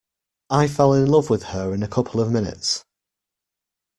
I fell in love with her in a couple of minutes.